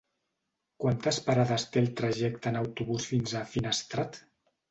Quantes parades té el trajecte en autobús fins a Finestrat?